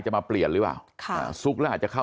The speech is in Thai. สวัสดีครับคุณผู้ชาย